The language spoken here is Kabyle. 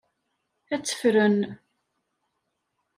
Ad t-ffren.